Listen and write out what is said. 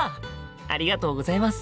ありがとうございます。